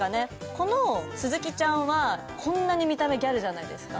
この鈴木ちゃんはこんなに見た目ギャルじゃないですか。